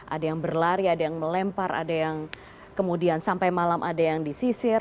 ada yang berlari ada yang melempar ada yang kemudian sampai malam ada yang disisir